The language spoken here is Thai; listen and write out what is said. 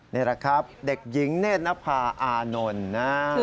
นี่แหละครับเด็กหญิงเนธนภาอานนท์นะ